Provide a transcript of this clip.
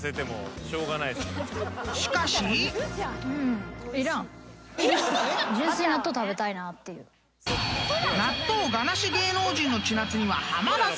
［しかし］［納豆我なし芸能人の千夏にはハマらず］